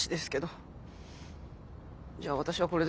じゃあ私はこれで。